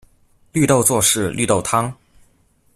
綠豆做事綠豆湯